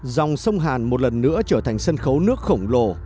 dòng sông hàn một lần nữa trở thành sân khấu nước khổng lồ